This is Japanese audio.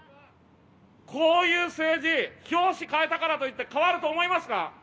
こういう政治、表紙替えたからといって、変わると思いますか。